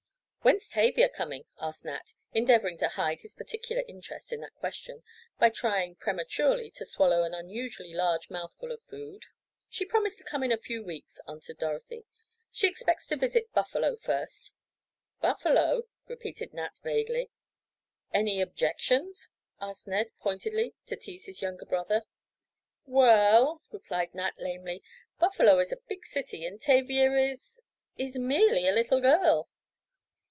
"When's Tavia coming?" asked Nat, endeavoring to hide his particular interest in that question by trying, prematurely to swallow an unusually large mouthful of food. "She promised to come in a few weeks," answered Dorothy. "She expects to visit Buffalo first." "Buffalo?" repeated Nat, vaguely. "Any objections?" asked Ned pointedly, to tease his younger brother. "Well," replied Nat, lamely, "Buffalo is a big city and Tavia is—is—merely a little girl."